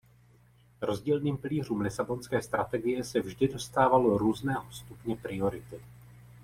Rozdílným pilířům Lisabonské strategie se vždy dostávalo různého stupně priority.